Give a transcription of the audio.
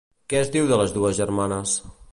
Què es diu de les dues germanes?